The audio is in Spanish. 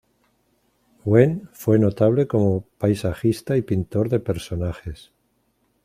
Wen fue notable como paisajista y pintor de personajes.